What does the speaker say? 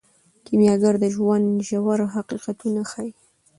کیمیاګر د ژوند ژور حقیقتونه ښیي.